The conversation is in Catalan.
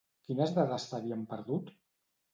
Quines dades s'havien perdut?